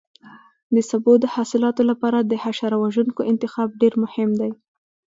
د سبو د حاصلاتو لپاره د حشره وژونکو انتخاب ډېر مهم دی.